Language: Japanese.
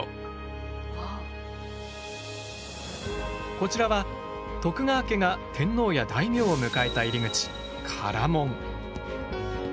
こちらは徳川家が天皇や大名を迎えた入り口唐門。